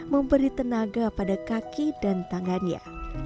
memberi tenaga pada kaki dan tangannya